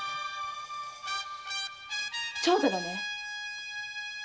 長太だね